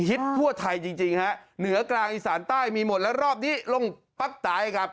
ฮิตพั่วไทยจริงเนื้อกลางอีสานใต้มีหมดแล้วรอบนี้ลงปั๊บตายครับ